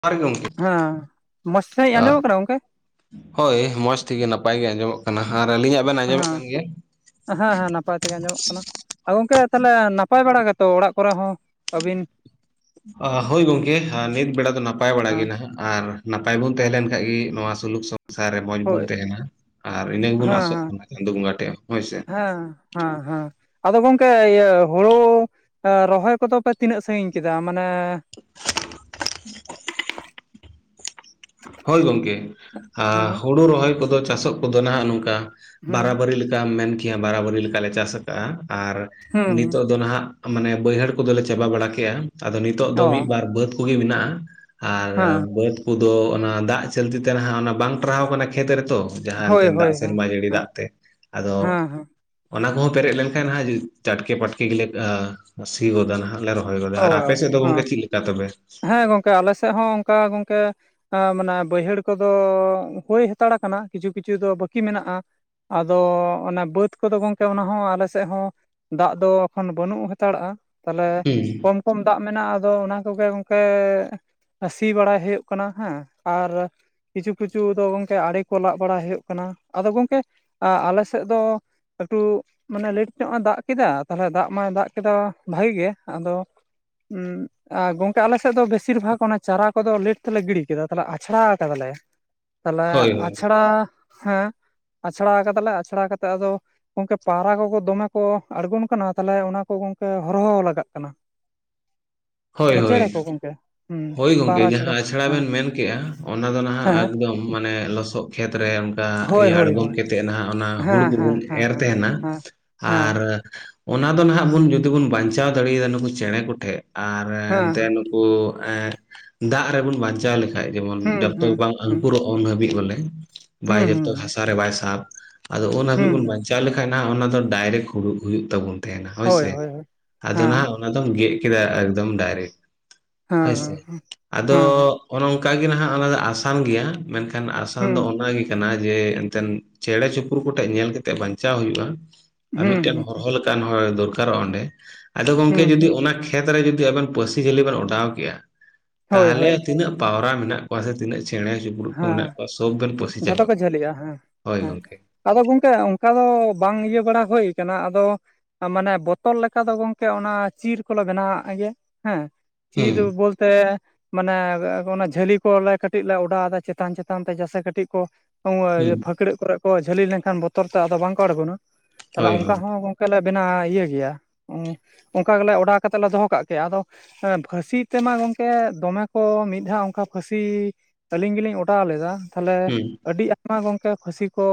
ᱯᱟᱨᱜᱚᱢ ᱦᱮᱸ, ᱢᱚᱥ ᱥᱟᱹᱦᱤᱜ ᱟᱸᱡᱚᱢ ᱠᱟᱱᱟ ᱜᱚᱝᱠᱮ? ᱦᱳᱭ, ᱢᱚᱥ ᱛᱮᱜᱮ ᱱᱟᱯᱟᱭ ᱜᱮ ᱟᱸᱡᱚᱢᱚᱜ ᱠᱟᱱᱟ, ᱟᱨ ᱟᱹᱞᱤᱧᱟ ᱟᱸᱦᱟᱸ, ᱦᱮᱸ ᱦᱮᱸ ᱱᱟᱯᱟᱭ ᱛᱮᱜᱮ ᱟᱸᱡᱚᱢᱚᱜ ᱠᱟᱱᱟ᱾ ᱟ ᱜᱚᱝᱠᱮ ᱛᱟᱦᱚᱞᱮ ᱱᱟᱯᱟᱭ ᱵᱟᱲᱟ ᱜᱮᱛᱚ ᱚᱲᱟᱜ ᱠᱚᱨᱮ ᱦᱚᱸ ᱟᱹᱵᱤᱱ? ᱚᱦ ᱦᱳᱭ ᱜᱚᱝᱠᱮ ᱦᱟ ᱱᱤᱛ ᱵᱮᱲᱟ ᱫᱚ ᱱᱟᱯᱟᱭ ᱵᱟᱱᱟ ᱜᱮ ᱦᱮᱸ ᱱᱟᱦᱟᱜ᱾ ᱟᱨ ᱱᱟᱯᱟᱭ ᱵᱩᱱ ᱛᱮᱦᱮ ᱞᱮᱱ ᱠᱷᱟᱡ ᱜᱤ ᱱᱚᱣᱟ ᱥᱩᱞᱩᱠ ᱥᱚ ᱥᱟᱨᱮ ᱢᱚᱸᱡᱽ ᱵᱩᱱ ᱦᱳᱭ ᱛᱮᱦᱮᱱᱟ, ᱟᱨ ᱤᱱᱟᱹ ᱜᱮᱵᱚᱱ ᱟᱥᱚᱜ ᱠᱟᱱᱟ ᱪᱟᱸᱫᱳ ᱵᱚᱸᱜᱟ ᱴᱷᱮ ᱦᱳᱭᱥᱮ᱾ ᱟᱸ᱾ ᱦᱟᱸ ᱦᱟᱸ᱾ ᱟᱫᱚ ᱜᱚᱝᱠᱮ ᱤᱭᱟᱹ ᱦᱳᱲᱳ ᱮ ᱨᱚᱦᱚᱭ ᱠᱚᱫᱚ ᱯᱮ ᱛᱤᱱᱟᱹᱜ ᱥᱟᱺᱜᱤᱧ ᱠᱮᱫᱟ? ᱢᱟᱱᱮ [inaudible] ᱦᱳᱭ ᱜᱚᱝᱠᱮ, ᱟ ᱦᱮᱸ ᱦᱩᱲᱩ ᱨᱚᱦᱚᱭ ᱠᱚᱫᱚ ᱪᱟᱥᱚᱜ ᱠᱚᱫᱚ ᱱᱟᱦᱟᱜ ᱱᱚᱝᱠᱟ ᱦᱩᱸ ᱵᱟᱨᱟᱼᱵᱟᱹᱨᱤ ᱞᱮᱠᱟᱢ ᱢᱮᱱ ᱠᱮᱭᱟ ᱵᱟᱨᱟᱼᱵᱟᱹᱨᱤ ᱞᱮᱠᱟ ᱞᱮ ᱪᱟᱥ ᱠᱟᱜᱼᱟ, ᱟᱨ ᱦᱩᱸ ᱱᱤᱛᱚᱜ ᱫᱚ ᱱᱟᱦᱟᱜ ᱢᱟᱱᱮ ᱵᱟᱹᱭᱦᱟᱹᱲ ᱠᱚᱫᱚ ᱞᱮ ᱪᱟᱵᱟ ᱵᱟᱲᱟ ᱠᱮᱼᱟ ᱟᱫᱚ ᱱᱤᱛᱚᱜ ᱚ ᱫᱚ ᱢᱤᱫᱵᱟᱨ ᱵᱟᱹᱫᱽ ᱠᱚᱜᱮ ᱢᱮᱱᱟᱜᱼᱟ᱾ ᱟᱨ ᱦᱮᱸ ᱵᱟᱹᱫᱽ ᱠᱩᱫᱩ ᱚᱱᱟ ᱫᱟᱜ ᱪᱟᱹᱞᱛᱤ ᱛᱮ ᱱᱟᱦᱟᱜ ᱚᱱᱟ ᱵᱟᱝ ᱴᱟᱨᱦᱟᱣ ᱠᱟᱱᱟ ᱠᱷᱮᱛ ᱨᱮᱛᱚ᱾ ᱡᱟᱦᱟᱸ ᱦᱳᱭ ᱮᱱᱛᱮ ᱫᱟᱜ ᱦᱳᱭ ᱦᱮᱸ ᱥᱮᱨᱢᱟ ᱡᱟᱹᱲᱤ ᱦᱮᱸ ᱫᱟᱜ ᱛᱮ, ᱟᱫᱚ ᱦᱮᱸ ᱚᱱᱟ ᱠᱚᱦᱚᱸ ᱯᱮᱨᱮᱜ ᱞᱮᱱᱠᱷᱟᱱ ᱦᱟᱜ ᱡᱩ ᱪᱟᱴᱠᱮ ᱯᱟᱴᱠᱮ ᱜᱮᱞᱮ ᱟ ᱥᱤ ᱜᱚᱫᱟ ᱱᱟᱦᱟᱜ᱾ ᱞᱮ ᱨᱚᱦᱚᱭ ᱜᱚᱫᱟ, ᱚ ᱟᱨ ᱟᱯᱮ ᱥᱮᱜ ᱫᱚ ᱜᱚᱝᱠᱮ ᱪᱤᱞᱠᱟ ᱛᱚᱵᱮ? ᱠᱮ ᱟᱞᱮ ᱥᱮᱜ ᱦᱚᱸ ᱚᱝᱠᱟ ᱜᱚᱝᱠᱮ ᱟ ᱢᱟᱱᱮ ᱵᱟᱹᱭᱦᱟᱹᱲ ᱠᱚᱫᱚ ᱦᱩᱭ ᱦᱟᱛᱟᱲ ᱠᱟᱱᱟ ᱠᱤᱪᱷᱩ ᱠᱤᱪᱷᱩ ᱫᱚ ᱵᱟᱹᱠᱤ ᱢᱮᱱᱟᱜᱼᱟ᱾ ᱟᱫᱚ ᱚᱱᱮ ᱵᱟᱹᱛ ᱠᱚᱫᱚ ᱜᱚᱝᱠᱮ ᱚᱱᱟ ᱦᱚᱸ ᱟᱞᱮ ᱥᱮᱜ ᱦᱚᱸ ᱫᱟᱜ ᱫᱚ ᱮᱠᱷᱚᱱ ᱵᱟᱹᱱᱩᱜ ᱦᱟᱛᱟᱲᱟᱜᱼᱟ, ᱛᱟᱦᱞᱮ ᱦᱩᱸ᱾ ᱠᱚᱢ ᱠᱚᱢ ᱫᱟᱜ ᱢᱮᱱᱟᱜᱼᱟ ᱟᱫᱚ ᱚᱱᱟ ᱠᱚᱜᱮ ᱜᱚᱝᱠᱮ ᱥᱤ ᱵᱟᱲᱟᱭ ᱦᱩᱭᱩᱜ ᱠᱟᱱᱟ ᱦᱮᱸ, ᱟᱨ ᱠᱤᱪᱷᱩ ᱠᱤᱪᱷᱩ ᱫᱚ ᱜᱚᱝᱠᱮ ᱟᱲᱮ ᱠᱚ ᱞᱟᱜ ᱵᱟᱲᱟᱭ ᱦᱩᱭᱩᱜ ᱠᱟᱱᱟ ᱟᱫᱚ ᱜᱚᱝᱠᱮ ᱟ-ᱟᱞᱮ ᱥᱮᱜ ᱫᱚ ᱮᱠᱴᱩ ᱢᱟᱱᱮ ᱞᱮᱴ ᱧᱚᱜ ᱮ ᱫᱟᱜ ᱠᱮᱫᱟ ᱛᱟᱦᱚᱞᱮ ᱫᱟᱜ ᱢᱟᱭ ᱫᱟᱜ ᱠᱮᱫᱟ ᱵᱷᱟᱜᱮ ᱜᱮ, ᱟᱫᱚ ᱩᱸ᱾ ᱟ ᱜᱚᱝᱠᱮ ᱟᱞᱮ ᱥᱮᱜ ᱫᱚ ᱵᱷᱮᱥᱤᱨ ᱵᱷᱟᱜ ᱚᱱᱟ ᱪᱟᱨᱟ ᱠᱚᱫᱚ ᱞᱮᱴ ᱛᱮᱞᱮ ᱜᱤᱲᱤ ᱠᱮᱫᱟ ᱛᱟᱦᱚᱞᱮ ᱟᱪᱷᱲᱟ ᱟᱠᱟᱫᱟ ᱞᱮ᱾ ᱛᱟᱦᱚᱞᱮ ᱦᱳᱭ ᱦᱳᱭ ᱟᱪᱷᱲᱟ ᱦᱮᱸ ᱟᱪᱷᱲᱟ ᱠᱟᱫᱟ ᱞᱮ ᱟᱪᱷᱲᱟ ᱠᱟᱛᱮ ᱟᱫᱚ ᱜᱚᱝᱠᱮ ᱯᱟᱣᱨᱟ ᱠᱚᱠᱚ ᱫᱚᱢᱮ ᱠᱚ ᱟᱲᱜᱚᱱ ᱠᱟᱱᱟ ᱛᱟᱦᱞᱮ ᱚᱱᱟ ᱠᱚ ᱜᱚᱝᱠᱮ ᱦᱚᱨᱦᱚ ᱞᱟᱜᱟᱜ ᱠᱟᱱᱟ᱾ ᱦᱳᱭ ᱢᱟᱱᱮ ᱦᱳᱭ ᱪᱮᱬᱮ ᱠᱚ ᱜᱚᱝᱠᱮ᱾ ᱦᱩᱸ ᱦᱳᱭ ᱜᱚᱝᱠᱮ ᱯᱟᱣᱨᱟ ᱡᱟᱦᱟᱸ ᱪᱮᱬᱮ ᱟᱥᱲᱟ ᱦᱮᱸ ᱵᱮᱱ ᱢᱮᱱ ᱠᱮᱜᱼᱟ ᱚᱱᱟ ᱫᱚ ᱱᱟᱦᱟᱜ ᱦᱮᱸ ᱮᱠᱫᱚᱢ ᱢᱟᱱᱮ ᱞᱚᱥᱚᱜ ᱠᱷᱮᱛᱨᱮ ᱚᱱᱠᱟ ᱦᱳᱭ ᱤᱭᱟᱹ ᱦᱳᱭ ᱟᱬᱜᱚᱢ ᱦᱳᱭ ᱠᱮᱛ ᱛᱮᱜ ᱱᱟᱦᱟᱜ ᱚᱱᱟ ᱦᱩᱲᱩ ᱦᱮᱸ ᱦᱮᱸ ᱠᱩᱵᱩᱱ ᱮᱨ ᱦᱮᱸ ᱛᱮᱦᱮᱱᱟ, ᱦᱮᱸ ᱟᱨ ᱚᱱᱟ ᱫᱚ ᱱᱟᱦᱟᱜ ᱵᱩᱱ ᱡᱩᱫᱤ ᱵᱩᱱ ᱵᱟᱧᱪᱟᱣ ᱫᱟᱲᱮᱭᱟᱫᱟ ᱱᱩᱠᱩ ᱪᱮᱬᱮ ᱠᱚᱴᱷᱮᱜ ᱟᱨ ᱦᱮᱸ ᱦᱮᱸ ᱮᱱᱛᱮ ᱦᱮᱸ ᱳ ᱮᱸᱜ ᱫᱟᱜ ᱨᱮᱵᱚᱱ ᱵᱟᱧᱪᱟᱣ ᱞᱮᱠᱷᱟᱡ ᱡᱮᱢᱚᱱ ᱦᱩᱸ ᱡᱚᱛᱚ ᱦᱩᱸ ᱵᱟᱝ ᱟᱝᱠᱩᱨᱚᱜ ᱩᱱ ᱦᱟᱹᱵᱤᱜ ᱵᱚᱞᱮ ᱵᱟᱭ ᱦᱩᱸ ᱦᱩᱸ ᱡᱚᱛᱚ ᱦᱩᱸ ᱦᱟᱥᱟ ᱨᱮ ᱵᱟᱭ ᱥᱟᱵ ᱟᱫᱚ ᱩᱱ ᱦᱟᱹᱵᱤᱡ ᱦᱩᱸ ᱵᱚᱱ ᱵᱟᱧ ᱪᱟᱣ ᱞᱮᱠᱷᱟᱡ ᱱᱟᱦᱟᱜ ᱚᱱᱟ ᱫᱚ ᱰᱟᱭᱨᱮᱠ ᱦᱩᱲᱩ ᱦᱩᱭᱩᱜ ᱛᱟᱵᱩᱱ ᱛᱮᱦᱮᱱᱟ ᱦᱳᱭ ᱦᱳᱭᱥᱮ, ᱦᱳᱭ ᱦᱳᱭ ᱟᱫᱚ ᱦᱮᱸ ᱱᱟᱦᱟᱜ ᱚᱱᱟ ᱫᱚᱢ ᱜᱮᱜ ᱠᱮᱫᱟ ᱮᱠᱫᱚᱢ ᱰᱟᱭᱨᱮᱠ, ᱦᱮᱸ ᱦᱳᱭᱥᱮ ᱦᱮᱸ ᱦᱮᱸ ᱟᱫᱚ ᱦᱩᱸ ᱚᱱᱚ ᱚᱝᱠᱟ ᱜᱮ ᱱᱟᱦᱟᱜ ᱚᱱᱟ ᱫᱚ ᱟᱥᱟᱱ ᱜᱮᱭᱟ, ᱢᱮᱱᱠᱷᱟᱱ ᱟᱥᱟᱱ ᱫᱚ ᱦᱩᱸ ᱚᱱᱟ ᱜᱤ ᱠᱟᱱᱟ ᱡᱮ ᱮᱱᱛᱮᱱ ᱪᱮᱬᱮ ᱪᱩᱯᱨᱩ ᱠᱩᱴᱷᱮᱜ ᱧᱮᱞ ᱠᱮᱛᱮᱜ ᱵᱟᱧᱪᱟᱣ ᱦᱩᱭᱩᱜᱼᱟ᱾ ᱟᱨ ᱢᱤᱜᱴᱮᱱ ᱦᱩᱸ ᱦᱚᱨᱦᱚ ᱞᱮ [inaudible] ᱫᱚᱨᱠᱟᱨᱚᱜᱼᱟ ᱚᱸᱰᱮ, ᱟᱫᱚ ᱜᱚᱝᱠᱮ ᱦᱩᱸ ᱡᱩᱫᱤ ᱚᱱᱟ ᱠᱷᱮᱛ ᱨᱮ ᱡᱩᱫᱤ ᱟᱵᱮᱱ ᱯᱟᱹᱥᱤ ᱡᱷᱟᱹᱞᱤ ᱵᱮᱱ ᱚᱰᱟᱣ ᱠᱮᱜᱼᱟ, ᱦᱳᱭ ᱦᱳᱭ ᱛᱟᱦᱟᱞᱮ ᱛᱤᱱᱟᱹᱜ ᱯᱟᱣᱨᱟ ᱢᱮᱱᱟᱜ ᱠᱚᱣᱟ, ᱥᱮ ᱛᱤᱱᱟᱹᱜ ᱪᱮᱬᱮ ᱪᱩ ᱯᱩᱲᱩᱜ ᱠᱚ ᱢᱮᱱᱟᱜ ᱦᱮᱸ ᱠᱚᱣᱟ, ᱥᱳᱵ ᱵᱮᱱ ᱯᱟᱹᱥᱤ ᱡᱷᱚᱛᱚ ᱪᱟᱵᱟ ᱠᱚ ᱠᱚᱣᱟ, ᱡᱷᱟᱹᱞᱤᱜᱼᱟ ᱦᱮᱸ ᱦᱳᱭ ᱦᱮᱸ ᱜᱚᱝᱠᱮ᱾ ᱟᱫᱚ ᱜᱚᱝᱠᱮ ᱚᱝᱠᱟ ᱫᱚ ᱵᱟᱝ ᱤᱭᱟᱹ ᱵᱟᱲᱟ ᱦᱳᱭ ᱠᱟᱱᱟ᱾ ᱟᱫᱚ ᱢᱟᱱᱮ ᱵᱚᱛᱚᱞ ᱞᱮᱠᱟ ᱫᱚ ᱜᱚᱝᱠᱮ ᱚᱱᱟ ᱪᱤᱨ ᱠᱚᱞᱮ ᱵᱮᱱᱟᱣᱣᱟᱜ ᱜᱮᱭᱟ ᱦᱮᱸ᱾ ᱪᱤᱨ ᱦᱩᱸ ᱵᱚᱞᱛᱮ ᱢᱟᱱᱮ ᱚᱱᱟ ᱡᱷᱟᱹᱞᱤ ᱠᱚᱞᱮ ᱠᱟᱹᱴᱤᱡ ᱞᱮ [inaudible] ᱫᱚ ᱟᱫᱚ ᱪᱮᱛᱟᱱ ᱪᱮᱛᱟᱱ ᱛᱮ ᱡᱮᱥᱮ ᱠᱟᱹᱴᱤᱡ ᱠᱚ, ᱦᱩᱸ [inaudible] ᱯᱷᱟᱹᱠᱲᱟᱹᱜ ᱠᱚᱨᱮ ᱠᱚ ᱡᱷᱟᱹᱞᱤ ᱞᱮᱱᱠᱷᱟᱱ ᱵᱚᱛᱚᱨ ᱛᱮ ᱟᱫᱚ ᱵᱟᱝ ᱠᱚ ᱟᱬᱜᱳᱱᱟ᱾ ᱛᱟᱦᱚᱞᱮ ᱦᱳᱭ ᱚᱱᱠᱟ ᱦᱳᱭ ᱦᱚᱸ ᱜᱚᱝᱠᱮ ᱞᱮ ᱵᱮᱱᱟᱣ ᱤᱭᱟᱹ ᱜᱮᱭᱟ᱾ [inaudible] ᱚᱝᱠᱟ ᱜᱮᱞᱮ ᱚᱰᱟᱣ ᱠᱟᱛᱮᱜ ᱞᱮ ᱫᱚᱦᱚ ᱠᱟᱜ ᱠᱮᱭᱟ, ᱟᱫᱚ ᱯᱷᱟᱹᱥᱤ ᱛᱮᱢᱟ ᱜᱚᱝᱠᱮ ᱫᱚᱢᱮ ᱠᱚ, ᱢᱤᱫ ᱫᱷᱟᱣ ᱚᱝᱠᱟ ᱯᱷᱟᱹᱥᱤ ᱟᱹᱞᱤᱧ ᱜᱮᱞᱤᱧ ᱚᱰᱟᱣ ᱞᱮᱫᱟ, ᱛᱟᱦᱚᱞᱮ ᱦᱩᱸ ᱟᱹᱰᱤ ᱟᱭᱢᱟ ᱜᱚᱝᱠᱮ ᱯᱷᱟᱹᱥᱤ ᱠᱚ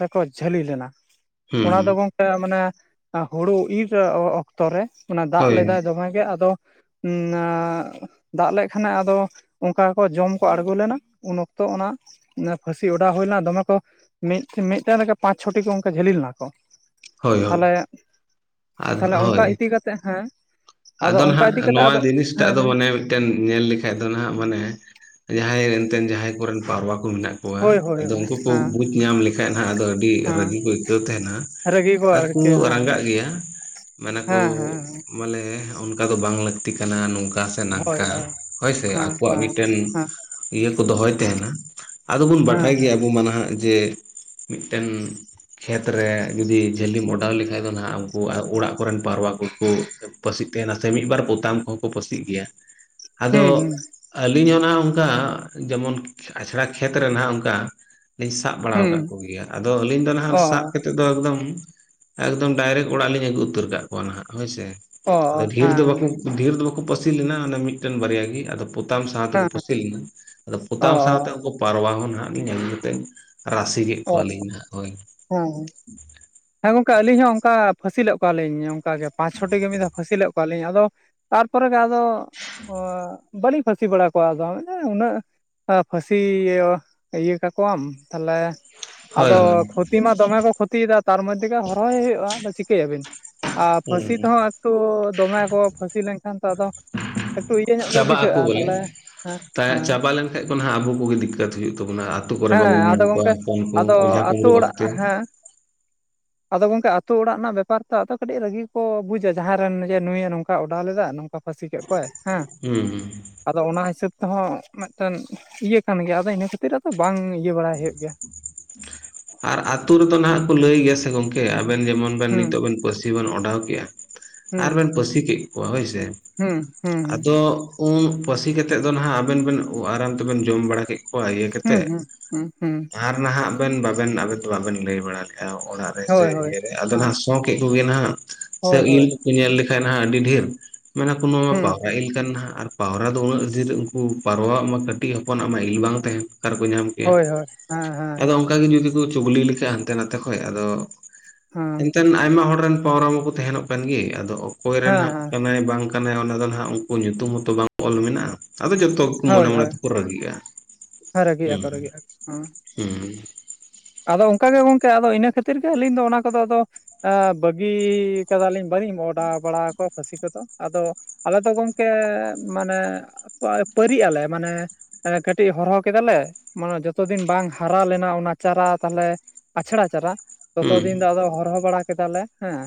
ᱨᱮᱠᱚ ᱡᱷᱟᱹᱞᱤ ᱞᱮᱱᱟ᱾ ᱦᱩᱸ ᱚᱱᱟ ᱦᱩᱸ ᱫᱚ ᱜᱚᱝ ᱠᱮ ᱢᱟᱱᱮ ᱦᱳᱲᱳ ᱤᱨ ᱚᱠᱛᱚ ᱨᱮ, ᱚᱱᱟ ᱫᱟᱜ ᱦᱳᱭ ᱞᱮᱫᱟᱭ ᱫᱚᱢᱮᱜ ᱜᱮ᱾ ᱟᱫᱚ [inaudible] ᱫᱟᱜ ᱞᱮᱜ ᱠᱷᱟᱱᱮ ᱟᱫᱚ, ᱚᱝᱠᱟ ᱠᱚ ᱡᱚᱢ ᱠᱚ ᱟᱬᱜᱳ ᱞᱮᱱᱟ, ᱩᱱ ᱚᱠᱛᱚ ᱚᱱᱟ ᱚᱱᱟ ᱯᱷᱟᱹᱥᱤ ᱚᱰᱟᱣ ᱦᱩᱭᱱᱟ, ᱫᱚᱢᱮ ᱠᱚ ᱢᱤᱫ ᱢᱤᱫᱴᱮᱱ ᱨᱮᱜᱮ ᱯᱟᱸᱪ ᱪᱷᱚᱴᱤ ᱠᱚ ᱚᱝᱠᱟ ᱡᱷᱟᱹᱞᱤ ᱞᱮᱱᱟ ᱠᱚ᱾ ᱦᱳᱭ ᱦᱳᱭ ᱛᱟᱞᱦᱮ ᱟᱫᱚ ᱛᱟᱞᱦᱮ ᱚᱱᱠᱟ ᱦᱳᱭ ᱤᱫᱤ ᱠᱟᱛᱮᱜ ᱦᱮᱸ᱾ ᱟᱫᱚ ᱚᱱᱠᱟ ᱱᱟᱦᱟᱜ ᱤᱫᱤ ᱠᱟᱛᱮᱜ ᱱᱚᱣᱟ ᱟᱫᱚ ᱡᱤᱱᱤᱥᱴᱟᱜ ᱦᱮᱸ ᱫᱚ ᱢᱟᱱᱮ ᱢᱤᱫᱴᱮᱱ ᱧᱮᱞ ᱞᱮᱠᱷᱟᱡ ᱫᱚ ᱱᱟᱦᱟᱜ, ᱢᱟᱱᱮ ᱡᱟᱸᱦᱟᱸᱭ ᱨᱮᱱ ᱮᱱᱛᱮ ᱡᱟᱸᱦᱟᱸᱭ ᱠᱚᱨᱮᱱ ᱯᱟᱣᱨᱟ ᱠᱚ ᱢᱮᱱᱟᱜ ᱠᱚᱣᱟ ᱦᱳᱭ ᱦᱳᱭ ᱟᱫᱚ ᱦᱳᱭ ᱩᱱᱠᱩ ᱠᱚ ᱦᱮᱸ ᱵᱩᱡᱽ ᱧᱟᱢ ᱞᱮᱠᱷᱟᱡ ᱱᱟᱜ ᱟᱫᱚ ᱟᱹᱰᱤ ᱦᱮᱸ ᱨᱟᱹᱜᱤ ᱠᱚ ᱟᱹᱭᱠᱟᱹᱣ ᱛᱟᱦᱮᱱᱟ᱾ ᱨᱟᱹᱜᱤ ᱠᱚ ᱟᱨᱠᱩ ᱟᱨᱠᱤ ᱦᱮᱸ ᱨᱟᱸᱜᱟᱜ ᱜᱮᱭᱟ, ᱢᱟᱱᱮ ᱠᱩ ᱦᱮᱸ ᱦᱮᱸ ᱢᱟᱱᱮ ᱚᱱᱠᱟ ᱫᱚ ᱵᱟᱝ ᱞᱟᱹᱠᱛᱤ ᱠᱟᱱᱟ᱾ ᱱᱚᱝᱠᱟ ᱥᱮ ᱦᱳᱭ ᱱᱟᱝᱠᱟ ᱦᱳᱭ ᱦᱳᱭᱥᱮ, ᱦᱮᱸ ᱟᱠᱚᱣᱟᱜ ᱦᱮᱸ ᱢᱤᱫᱴᱮᱱ ᱦᱮᱸ ᱤᱭᱟᱹ ᱠᱚ ᱫᱚᱦᱚᱭ ᱛᱟᱦᱮᱱᱟ᱾ ᱟᱫᱚ ᱵᱚᱱ ᱦᱮᱸ ᱵᱟᱰᱟᱭ ᱜᱮᱭᱟ ᱟᱵᱚ ᱢᱟ ᱱᱟᱦᱟᱜ ᱡᱮ ᱢᱤᱜᱴᱮᱱ ᱠᱷᱮᱛᱨᱮ ᱡᱩᱫᱤ ᱡᱷᱟᱹᱞᱤᱢ ᱚᱰᱟᱣ ᱞᱮᱠᱷᱟᱡ ᱫᱚ ᱱᱟᱦᱟᱜ ᱩᱱᱠᱩ ᱚᱲᱟᱜ ᱠᱚᱨᱮᱱ ᱯᱟᱣᱨᱟ ᱠᱩ ᱠᱩ ᱯᱟᱹᱥᱤ ᱛᱮ ᱱᱟᱥᱮ ᱢᱤᱜ ᱵᱟᱨ ᱯᱚᱛᱟᱢ ᱠᱚᱦᱚᱸ ᱠᱚ ᱯᱟᱹᱥᱤᱜ ᱜᱮᱭᱟ᱾ ᱟᱫᱚ ᱦᱩᱸ ᱦᱩᱸ ᱟᱞᱤᱧ ᱦᱚᱸ ᱱᱟᱦᱟᱜ ᱚᱝᱠᱟ, ᱡᱮᱢᱚᱱ ᱟᱪᱷᱲᱟ ᱠᱷᱮᱛ ᱨᱮᱱᱟᱜ ᱚᱝᱠᱟ [inaudible] ᱥᱟᱵ ᱵᱟᱲᱟᱣ ᱦᱩᱸ ᱠᱟᱜ ᱠᱚᱜᱮᱭᱟ᱾ ᱟᱫᱚ ᱟᱹᱞᱤᱧ ᱫᱚ ᱱᱟᱦᱟᱜ ᱚ ᱥᱟᱵ [inaudible] ᱛᱮᱫᱚ ᱮᱠᱫᱚᱢ, ᱮᱠᱫᱚᱢ ᱰᱟᱭᱨᱮᱠ ᱚᱲᱟᱜ ᱞᱤᱧ ᱟᱹᱜᱩ ᱩᱛᱟᱹᱨ ᱠᱟᱜ ᱠᱚᱣᱟ ᱱᱟᱦᱟᱜ ᱦᱳᱭ ᱥᱮ᱾ ᱚ ᱟᱫᱚ ᱰᱷᱮᱨ ᱫᱚ ᱦᱮᱸ ᱵᱟᱠᱚ, ᱰᱷᱮᱨ ᱫᱚ ᱵᱟᱠᱚ ᱯᱟᱹᱥᱤ ᱞᱮᱱᱟ ᱚᱱᱮ ᱢᱤᱫᱴᱮᱱ ᱵᱟᱨᱭᱟ ᱜᱮ᱾ ᱟᱫᱚ ᱯᱚᱛᱟᱢ ᱥᱟᱶ ᱛᱮᱠᱚ ᱦᱮᱸ ᱯᱟᱹᱥᱤ ᱞᱮᱱᱟ, ᱟᱫᱚ ᱚ ᱯᱚᱛᱟᱢ ᱥᱟᱶᱛᱮ ᱩᱝᱠᱩ ᱯᱟᱨᱣᱟ ᱦᱚᱸ ᱱᱟᱜ ᱞᱤᱧ ᱟᱹᱜᱩ ᱞᱮᱫᱮ᱾ ᱨᱟᱥᱮ ᱠᱮᱜ ᱚ ᱠᱚᱣᱟ ᱞᱤᱧ ᱱᱟᱦᱟᱜ ᱚᱭ᱾ ᱦᱮᱸ ᱦᱮᱸ ᱜᱚᱝᱠᱮ ᱟᱹᱞᱤᱧ ᱦᱚᱸ ᱚᱝᱠᱟ ᱯᱷᱟᱹᱥᱤᱞᱮᱜ ᱠᱚᱣᱟᱞᱤᱧ᱾ ᱚᱝᱠᱟᱜᱮ ᱯᱟᱸᱪ ᱪᱷᱚᱴᱤ ᱜᱮ ᱢᱤᱫ ᱫᱷᱟᱣ ᱯᱷᱟᱹᱥᱤ ᱞᱮᱫ ᱠᱚᱣᱟ ᱞᱤᱧ, ᱟᱫᱚ ᱛᱟᱨᱯᱚᱨᱮ ᱜᱮ ᱟᱫᱚ, ᱵᱟᱹᱞᱤᱧ ᱯᱷᱟᱹᱥᱤ ᱵᱟᱲᱟ ᱠᱚᱣᱟ ᱟᱫᱚ ᱩᱱᱟᱹᱜ ᱯᱷᱟᱹᱥᱤ [inaudible] ᱤᱭᱟᱹ ᱠᱟᱠᱚᱣᱟᱢ, ᱛᱟᱞᱦᱮ ᱦᱳᱭ ᱟᱫᱚ ᱦᱳᱭ ᱠᱷᱚᱛᱤ ᱢᱟ ᱫᱚᱢᱮ ᱠᱚ ᱠᱷᱚᱛᱤᱭᱮᱫᱟ ᱛᱟᱨ ᱢᱚᱫᱫᱷᱮ ᱜᱮ ᱦᱚᱨᱦᱚᱭ ᱦᱳᱭᱳᱜᱼᱟ, ᱟᱫᱚ ᱪᱤᱠᱟᱹᱭᱟᱵᱤᱱ᱾ ᱟᱨ ᱯᱷᱟᱹᱥᱤ ᱦᱩᱸ ᱛᱮᱦᱚᱸ ᱮᱠᱴᱩ ᱫᱚᱢᱮ ᱠᱚ ᱯᱷᱟᱹᱥᱤ ᱞᱮᱱᱠᱷᱟᱱ ᱛᱚ, ᱟᱫᱚ ᱮᱠᱴᱩ ᱤᱭᱟᱹ ᱧᱚᱜ ᱜᱮ ᱪᱟᱵᱟᱜ ᱟᱠᱚ ᱵᱩᱡᱷᱟᱹᱜᱼᱟ ᱵᱚᱞᱮ, ᱛᱟᱦᱚᱞᱮ ᱦᱮᱸ ᱛᱟ ᱦᱮᱸ ᱪᱟᱵᱟ ᱞᱮᱱᱠᱷᱟᱡ ᱠᱚ ᱱᱟᱦᱟᱜ ᱟᱵᱚ ᱠᱚᱜᱮ ᱫᱤᱠᱠᱟᱹᱛ ᱦᱩᱭᱩᱜ ᱛᱟᱵᱚᱱᱟ᱾ ᱟᱹᱛᱩ ᱠᱚᱨᱮ ᱦᱮᱸ ᱵᱟᱵᱚᱱ ᱧᱟᱢ ᱟᱫᱚ ᱠᱚᱣᱟ ᱜᱚᱝᱠᱮ ᱦᱚᱯᱚᱱ ᱠᱚ, ᱟᱫᱚ ᱚᱡᱷᱟ ᱟᱛᱳ ᱠᱩᱢᱲᱩ ᱚᱲᱟᱜ ᱚᱠᱛᱮ᱾ ᱦᱮᱸ ᱟᱫᱚ ᱜᱚᱝᱠᱮ ᱟᱹᱛᱩ ᱚᱲᱟᱜ ᱱᱟᱜ ᱵᱮᱯᱟᱨ ᱛᱚ, ᱟᱫᱚ ᱠᱟᱹᱴᱤᱡ ᱨᱟᱹᱜᱤ ᱠᱚ ᱵᱩᱡᱟ ᱡᱟᱸᱦᱟᱸᱭ ᱨᱮᱱ ᱡᱮ ᱱᱩᱭᱮ ᱱᱚᱝᱠᱟ ᱚᱰᱟᱣ ᱞᱮᱫᱟ ᱱᱚᱝᱠᱟ᱾ ᱯᱷᱟᱹᱥᱤ ᱠᱮᱫ ᱠᱚᱣᱟᱭ᱾ ᱦᱮᱸ ᱦᱩ ᱟᱫᱚ ᱚᱱᱟ ᱦᱤᱥᱟᱹᱵᱽ ᱛᱮᱦᱚᱸ ᱢᱤᱫᱴᱮᱱ ᱤᱭᱟᱹ ᱠᱟᱱ ᱜᱮᱭᱟ ᱟᱫᱚ ᱤᱱᱟᱹ ᱠᱷᱟᱹᱛᱤᱨ ᱟᱫᱚ ᱵᱟᱝ ᱤᱭᱟᱹ ᱵᱟᱲᱟᱭ ᱦᱩᱭᱩᱜ ᱜᱮᱭᱟ ᱾ ᱟᱨ ᱟᱛᱩ ᱨᱮᱫᱚ ᱱᱟᱦᱟᱜ ᱠᱚ ᱞᱟᱹᱭ ᱜᱮᱭᱟ ᱥᱮ ᱜᱚᱝᱠᱮ ᱟᱵᱮᱱ ᱡᱮᱢᱚᱱ ᱵᱮᱱ ᱦᱩᱸ ᱱᱤᱛᱳ ᱵᱮᱱ, ᱯᱟᱹᱥᱤ ᱵᱮᱱ ᱚᱰᱟᱣ ᱠᱮᱫᱼᱟ ᱟᱨᱵᱮᱱ ᱦᱩᱸ ᱯᱟᱹᱥᱤ ᱠᱮᱫ ᱠᱚᱣᱟ ᱦᱳᱭ ᱥᱮ, ᱦᱩᱸ ᱦᱩᱸ ᱦᱩᱸ ᱟᱫᱚ ᱩᱱ ᱯᱟᱹᱥᱤ ᱠᱟᱛᱮᱫ ᱫᱚ ᱱᱟᱦᱟᱜ ᱟᱵᱮᱱ ᱵᱮᱱ ᱟᱨᱟᱢ ᱛᱮᱵᱮᱱ ᱡᱚᱢ ᱵᱟᱲᱟ ᱠᱮᱫ ᱠᱚᱣᱟ ᱤᱭᱟᱹ ᱦᱩᱸ, ᱠᱟᱛᱮᱫ ᱦᱮᱸ, ᱦᱩᱸ, ᱦᱮᱸ, ᱟᱨ ᱱᱟᱦᱟᱜ ᱵᱮᱱ ᱵᱟᱵᱮᱱ ᱞᱟᱹᱭ ᱵᱟᱲᱟ ᱞᱮᱫᱼᱟ ᱚᱲᱟᱜ ᱨᱮ ᱥᱮ ᱦᱳᱭ ᱦᱳᱭ ᱤᱭᱟᱹ ᱟᱞᱮ ᱦᱮᱸ ᱱᱟᱦᱟᱜ ᱥᱚᱸᱠᱮᱜ ᱠᱚ ᱜᱮ ᱱᱟᱦᱱᱟᱜ ᱥᱮ ᱦᱳᱭ ᱤᱞ ᱦᱳᱭ ᱠᱚ ᱧᱮᱞ ᱞᱮᱠᱷᱟᱱ ᱦᱟᱜ ᱟᱹᱰᱤ ᱰᱷᱤᱨ ᱢᱮᱱᱟ ᱠᱚ ᱱᱚᱣᱟ ᱢᱟ ᱦᱩᱸ ᱯᱟᱣᱨᱟ ᱤᱞ ᱠᱟᱱᱟ ᱱᱟᱦᱟᱜ ᱟᱨ ᱯᱟᱣᱨᱟ ᱫᱚ ᱩᱱᱟᱹᱜ ᱰᱷᱤᱨ ᱩᱱᱠᱩ ᱯᱟᱨᱣᱟᱜ ᱢᱟ ᱠᱟᱹᱴᱤᱡ ᱦᱚᱯᱚᱱᱟᱜ ᱢᱟ ᱤᱞ ᱵᱟᱝ ᱛᱟᱦᱮᱸ ᱚᱠᱟᱨᱮ ᱠᱚ ᱧᱟᱢ ᱠᱮᱭᱟ ᱦᱳᱭ ᱦᱳᱭ ᱦᱮᱸ ᱦᱮᱸ ᱟᱫᱚ ᱦᱮᱸ ᱚᱱᱠᱟ ᱜᱤ ᱡᱩᱫᱤ ᱠᱩ ᱪᱩᱜᱽᱞᱤ ᱞᱮᱠᱷᱟᱡ ᱦᱟᱱᱛᱮ ᱱᱟᱛᱮ ᱠᱷᱚᱡ ᱟᱫᱚ ᱦᱮᱸ ᱮᱱ ᱟᱭᱢᱟ ᱦᱚᱲ ᱨᱮᱱ ᱯᱟᱣᱨᱟ ᱢᱟᱠᱚ ᱛᱟᱦᱮᱱᱚᱜ ᱠᱟᱱ ᱜᱤ ᱟᱫᱚ ᱚᱠᱚᱭ ᱨᱮᱱ ᱦᱮᱸ ᱦᱟᱸᱜ ᱦᱮᱸ ᱠᱟᱱᱟᱭ ᱵᱟᱝ ᱠᱟᱱᱟᱭ ᱚᱱᱟ ᱫᱚ ᱱᱟᱦᱟᱜ ᱩᱱᱠᱩ ᱧᱩᱛᱩᱢ ᱦᱚᱸᱛᱚ ᱵᱟᱝ ᱚᱞ ᱢᱮᱱᱟᱜᱼᱟ ᱟᱫᱚ ᱡᱚᱛᱚ ᱢᱚᱱᱮ ᱦᱳᱭ ᱢᱚᱱᱮ ᱦᱳᱭ ᱛᱮᱠᱚ ᱨᱟᱹᱜᱤᱜᱼᱟ, ᱦᱮᱸ ᱨᱟᱹᱜᱤᱜ ᱦᱩᱸ ᱟᱠᱚ ᱨᱟᱹᱜᱤᱜ ᱟᱠᱚ ᱦᱳᱸ ᱦᱩᱸ ᱟᱫᱚ ᱚᱱᱠᱟ ᱜᱮ ᱜᱚᱝᱠᱮ ᱟᱫᱚ ᱤᱱᱟᱹ ᱠᱷᱟᱹᱛᱤᱨ ᱜᱮ ᱟᱹᱞᱤᱧ ᱫᱚ ᱚᱱᱟ ᱠᱚᱫᱚ ᱟᱫᱚ ᱟ, ᱵᱟᱹᱜᱤ ᱠᱟᱫᱟᱞᱤᱧ ᱵᱟᱹᱞᱤᱧ ᱚᱰᱟ ᱵᱟᱲᱟᱣᱟ ᱠᱚᱣᱟ ᱯᱷᱟᱹᱥᱤ ᱠᱚ ᱫᱚ ᱟᱫᱚ ᱟᱞᱮ ᱫᱚ ᱜᱚᱢᱠᱮ ᱢᱟᱱᱮ ᱯᱟᱭ ᱯᱟᱹᱨᱤᱜ ᱟᱞᱮ ᱢᱟᱱᱮ ᱠᱟᱹᱴᱤᱡ ᱦᱚᱨᱦᱚ ᱠᱮᱫᱟᱞᱮ ᱢᱟᱱᱮ ᱡᱚᱛᱚ ᱫᱤᱱ ᱵᱟᱝ ᱦᱟᱨᱟ ᱞᱮᱱᱟ ᱚᱱᱟ ᱪᱟᱨᱟ ᱛᱟᱦᱚᱞᱮ ᱟᱪᱷᱲᱟ ᱪᱟᱨᱟ, ᱛᱚᱛᱚ ᱦᱩᱸ ᱫᱤᱱ ᱫᱚ ᱟᱫᱚ ᱦᱚᱨᱦᱚ ᱵᱟᱲᱟ ᱠᱮᱫᱟ ᱞᱮ ᱦᱮᱸ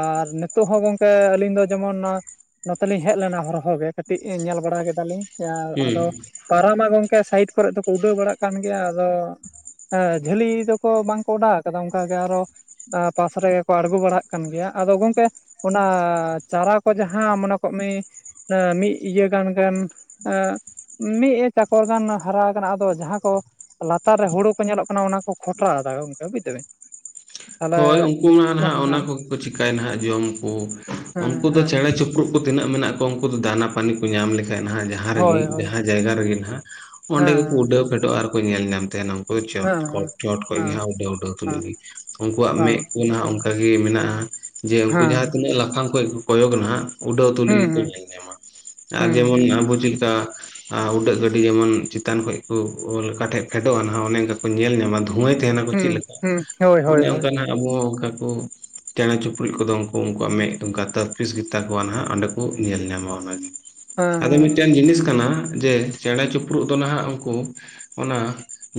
ᱟᱨ ᱱᱤᱛᱚᱜ ᱦᱚᱸ ᱜᱚᱝᱠᱮ ᱟᱹᱞᱤᱧ ᱫᱚ ᱡᱮᱢᱚᱱ, ᱱᱚᱼᱟ ᱱᱚᱛᱮ ᱞᱤᱧ ᱦᱮᱡ ᱞᱮᱱᱟ ᱦᱚᱨᱦᱚ ᱜᱮ ᱠᱟᱹᱴᱤᱡ ᱧᱮᱞ ᱵᱟᱲᱟ ᱠᱮᱫᱟ ᱞᱤᱧ ᱡᱟ ᱦᱩᱸ ᱟᱫᱚ ᱯᱟᱨᱣᱟ ᱢᱟ ᱜᱚᱝᱠᱮ ᱥᱟᱭᱤᱰ ᱠᱚᱨᱮ ᱫᱚᱠᱚ ᱩᱰᱟᱹᱣ ᱵᱟᱲᱟᱜ ᱠᱟᱱ ᱜᱮᱭᱟ ᱟᱫᱚ ᱦᱟᱸ ᱡᱷᱟᱹᱞᱤ ᱫᱚ ᱠᱚ ᱵᱟᱝ ᱠᱚ ᱚᱰᱟᱣ ᱠᱟᱫᱟ ᱚᱱᱠᱟ ᱜᱮ ᱟᱨᱚ ᱟ ᱯᱟᱥ ᱨᱮ ᱜᱮ ᱠᱚ ᱟᱬᱜᱩ ᱵᱟᱲᱟᱜ ᱠᱟᱱ ᱜᱮᱭᱟ ᱟᱫᱚ ᱜᱚᱝᱠᱮ ᱚᱱᱟ ᱪᱟᱨᱟ ᱠᱚ ᱡᱟᱦᱟᱸ ᱢᱚᱱᱮ ᱠᱚᱜ ᱢᱤ ᱟᱸ ᱢᱤᱫ ᱤᱭᱟᱹ ᱜᱟᱱ ᱜᱟᱱ ᱟᱸᱼ ᱢᱤᱫ ᱮ ᱪᱟᱠᱚ ᱜᱟᱱ ᱦᱟᱨᱟ ᱟᱠᱟᱱᱟ ᱟᱫᱚ ᱡᱟᱦᱟᱸ ᱠᱚ ᱞᱟᱛᱟᱨ ᱨᱮ ᱦᱩᱲᱩ ᱠᱚ ᱧᱮᱞᱚᱜ ᱠᱟᱱᱟ ᱚᱱᱟ ᱠᱚ ᱠᱷᱚᱴᱨᱟ ᱫᱟ ᱜᱚᱝᱠᱮ ᱵᱩᱡ ᱫᱟᱵᱮᱱ ᱦᱳᱭ ᱩᱱᱠᱩ ᱢᱟ ᱱᱟᱦᱟᱜ ᱚᱱᱟ ᱦᱮᱸ ᱠᱚᱜᱤ ᱠᱚ ᱪᱤᱠᱟᱭ ᱱᱟᱦᱟᱜ ᱡᱚᱢᱠᱩ ᱦᱮᱸ ᱩᱱᱠᱩ ᱫᱚ ᱦᱮᱸ ᱪᱮᱬᱮ ᱪᱩᱯ ᱨᱩᱜ ᱠᱚ ᱛᱤᱱᱟᱹᱜ ᱢᱮᱱᱟᱜ ᱠᱚᱣᱟ ᱩᱱᱠᱩ ᱫᱚ ᱫᱟᱱᱟ ᱯᱟᱱᱤ ᱠᱚ ᱧᱟᱢ ᱞᱮᱠᱷᱟᱱ ᱱᱟᱦᱟᱜ ᱡᱟ ᱦᱟᱸ ᱨᱮᱜᱤ ᱦᱳᱭ ᱦᱳᱭ ᱡᱟᱦᱟᱸ ᱡᱟᱭᱜᱟ ᱨᱮ ᱜᱮ ᱱᱟᱦᱟᱜ ᱦᱮᱸ ᱚᱸᱰᱮ ᱜᱮᱠᱚ ᱩᱰᱟᱹᱣ ᱦᱮᱸ ᱯᱷᱮᱰᱚᱜᱼᱟ ᱟᱨᱠᱚ ᱧᱮᱞ ᱧᱟᱢ ᱛᱟᱦᱮᱸᱱᱟ ᱦᱳᱭ ᱪᱚᱴ ᱦᱮᱸ ᱠᱷᱚᱡ ᱪᱚᱴ ᱠᱷᱚᱪ ᱜᱮ ᱦᱮᱸ ᱩᱰᱟᱹᱣ ᱩᱰᱟᱹᱣ ᱛᱩᱞᱩᱡ ᱦᱮᱸ ᱜᱤ ᱩᱱᱠᱩᱣᱟᱜ ᱢᱮᱫ ᱦᱮᱸ ᱠᱩ ᱱᱟᱦᱟᱜ ᱚᱱᱠᱟᱜᱤ ᱢᱮᱱᱟᱜᱼᱟ ᱡᱮ ᱩᱱᱠᱩ ᱦᱮᱸ ᱡᱟᱦᱟᱸ ᱛᱤᱱᱟᱹᱜ ᱞᱟᱯᱷᱟᱝ ᱠᱷᱚᱱ ᱠᱚ ᱠᱚᱭᱚᱜ ᱱᱟᱦᱟᱜ ᱩᱰᱟᱹᱣ ᱛᱩᱞᱩᱡ ᱜᱤ ᱠᱩ ᱦᱩᱸ ᱧᱮᱞ ᱧᱟᱢᱟ ᱟᱨ ᱡᱮᱢᱚᱱ ᱦᱩᱸ ᱟᱵᱩ ᱪᱮᱫ ᱞᱮᱠᱟ ᱟᱨ ᱩᱰᱟᱹᱜ ᱜᱟᱹᱰᱤ ᱡᱮᱢᱚᱱ ᱪᱮᱛᱟᱱ ᱠᱷᱚᱡ ᱠᱚ ᱚᱞ ᱚᱠᱟᱴᱷᱮᱡ ᱯᱷᱮᱰᱚᱜᱼᱟ ᱱᱟᱦᱟᱜ ᱚᱱᱮ ᱚᱱᱠᱟ ᱠᱚ ᱧᱮᱞ ᱧᱟᱢᱟ ᱫᱷᱩᱸᱣᱟᱹᱭ ᱛᱟᱦᱮᱱᱟ ᱠᱚ ᱪᱮᱫ ᱞᱮᱠᱟ ᱦᱩᱸ ᱦᱳᱭ ᱦᱳᱭ ᱚᱱᱮ ᱦᱳᱭ ᱚᱱᱠᱟ ᱱᱟᱦᱟᱜ ᱟᱵᱩ ᱦᱚ ᱚᱱᱠᱟ ᱠᱚ ᱪᱮᱬᱮ ᱪᱩᱯᱲᱩᱪ ᱠᱚᱫᱚ ᱩᱱᱠᱩ ᱩᱱᱠᱩᱣᱟᱜ ᱢᱮᱫ ᱜᱟ ᱛᱟᱹᱯᱤᱥ ᱜᱮᱛᱟ ᱠᱚᱣᱟ ᱱᱟᱦᱟᱜ ᱚᱸᱰᱮ ᱠᱚ ᱧᱮᱞ ᱧᱟᱢᱟ ᱚᱱᱟ ᱜᱮ ᱦᱮᱸ ᱟᱫᱚ ᱦᱮᱸ ᱢᱤᱫᱴᱮᱱ ᱡᱤᱱᱤᱥ ᱠᱟᱱᱟ ᱡᱮ ᱪᱮᱬᱮ ᱪᱩᱯᱨᱩᱫ ᱫᱚ ᱱᱟᱦᱟᱜ ᱩᱱᱠᱩ, ᱚᱱᱟ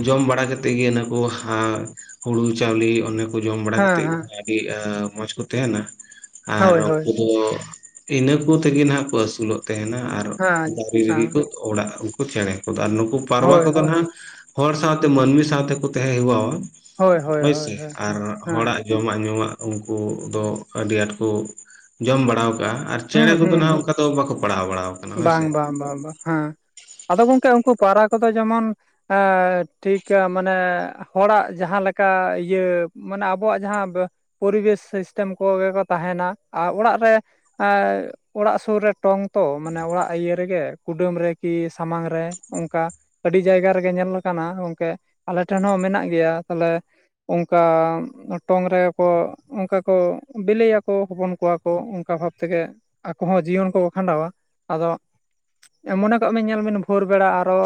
ᱡᱚᱢ ᱵᱟᱲᱟ ᱠᱟᱛᱮᱫ ᱜᱤ ᱚᱱᱟᱠᱩ ᱦᱟᱸᱜ ᱦᱩᱲᱩ ᱪᱟᱣᱞᱤ ᱚᱱᱮ ᱠᱩ ᱡᱚᱢ ᱵᱟᱲᱟ ᱦᱮᱸ ᱠᱟᱛᱮᱫ ᱜᱮ ᱦᱮᱸ ᱟᱰᱤ ᱢᱚᱸᱡ ᱠᱚ ᱛᱟᱦᱮᱱᱟ ᱟᱨ ᱦᱳᱭ ᱦᱳᱭ ᱩᱱᱠᱩ ᱫᱚ ᱤᱱᱟᱹ ᱠᱚ ᱛᱮᱜᱮ ᱱᱟᱦᱟᱜ ᱠᱩ ᱟᱹᱥᱩᱞᱚᱜ ᱛᱟᱦᱮᱱᱟ ᱟᱨ ᱦᱮᱸ ᱫᱟᱨᱤ ᱨᱮᱜᱤ ᱠᱚ ᱦᱮᱸ ᱚᱲᱟᱜ ᱩᱱᱠᱩ ᱪᱮᱬᱮ ᱠᱚ ᱫᱚ ᱟᱨ ᱱᱩᱠᱩ ᱯᱟᱨᱣᱟ ᱦᱳᱭ ᱠᱚᱫᱚ ᱦᱳᱭ ᱱᱟᱦᱟᱜ ᱦᱚᱲ ᱥᱟᱶᱛᱮ ᱢᱟᱹᱱᱢᱤ ᱥᱟᱶ ᱛᱮ ᱠᱚ ᱛᱟᱦᱮᱸ ᱦᱮᱣᱟᱼᱣᱟ ᱦᱳᱭ ᱦᱳᱭ ᱦᱳᱭ ᱦᱳᱭ, ᱟᱨ ᱦᱮᱸ ᱦᱮᱸ ᱦᱚᱲᱟᱜ ᱡᱚᱢᱟᱜ ᱧᱩᱣᱟᱜ ᱩᱱᱠᱩ ᱫᱚ, ᱟᱹᱰᱤ ᱟᱸᱴ ᱠᱩ ᱡᱚᱢ ᱵᱟᱲᱟ ᱟᱠᱟᱟᱜᱼᱟ, ᱟᱨ ᱪᱮᱬᱮ ᱦᱩᱸ ᱠᱚ ᱫᱚ ᱦᱟᱜ ᱦᱩᱸ ᱚᱱᱠᱟ ᱫᱚ ᱵᱟᱠᱩ ᱯᱟᱲᱦᱟᱣ ᱵᱟᱲᱟ ᱟᱠᱟᱱᱟ ᱦᱳᱭ ᱵᱟᱝ ᱥᱮ, ᱵᱟᱝ [unintelligible] ᱦᱮᱸ, ᱟᱫᱚ ᱜᱚᱝᱠᱮ ᱩᱱᱠᱩ ᱯᱟᱣᱨᱟ ᱠᱚᱫᱚ ᱡᱮᱢᱚᱱ ᱟᱻ ᱴᱷᱤᱠ ᱢᱟᱱᱮ, ᱦᱚᱲᱟᱜ ᱡᱟᱦᱟᱸᱮ ᱞᱮᱠᱟ ᱤᱭᱟᱹ, ᱢᱟᱱᱮ ᱟᱵᱚᱣᱟᱜ ᱡᱟᱦᱟᱸ ᱯᱚᱨᱤᱵᱮᱥ ᱥᱤᱥᱴᱮᱢ ᱠᱚᱜᱮ ᱠᱚ ᱛᱟᱦᱮᱱᱟ, ᱟᱨ ᱚᱲᱟᱜ ᱨᱮ ᱮᱻ ᱚᱲᱟᱜ ᱥᱩᱨ ᱨᱮ ᱴᱚᱝ ᱛᱚ, ᱢᱟᱱᱮ ᱚᱲᱟᱜ ᱤᱭᱟᱹ ᱨᱮᱜᱮ ᱠᱩᱰᱟᱹᱢ ᱨᱮ, ᱠᱤ ᱥᱟᱢᱟᱝ ᱨᱮ ᱚᱱᱠᱟ, ᱟᱹᱰᱤ ᱡᱟᱭᱜᱟ ᱨᱮᱜᱮ ᱧᱮᱞ ᱟᱠᱟᱱᱟ ᱜᱚᱝᱠᱮ, ᱟᱞᱮ ᱴᱷᱮᱱ ᱦᱚᱸ ᱢᱮᱱᱟᱜ ᱜᱮᱭᱟ ᱛᱟᱦᱞᱮ, ᱚᱱᱠᱟ ᱴᱚᱝ ᱨᱮᱜᱮ ᱠᱚ ᱚᱱᱠᱟ ᱠᱚ ᱵᱤᱞᱮᱭᱟᱠᱚ, ᱦᱚᱯᱚᱱ ᱠᱚᱣᱟ ᱠᱚ ᱚᱱᱠᱟ ᱵᱷᱟᱵ ᱛᱮᱜᱮ ᱟᱠᱚ ᱦᱚᱸ ᱡᱤᱭᱚᱱ ᱠᱚ ᱠᱷᱟᱸᱰᱟᱣᱟ ᱟᱫᱚ ᱢᱚᱱᱮ ᱠᱚᱜ ᱢᱮ ᱧᱮᱞᱢᱤᱱ ᱵᱷᱳᱨ ᱵᱮᱲᱟ ᱟᱨᱚ,